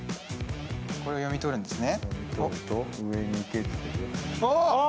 これで読み取るんですね。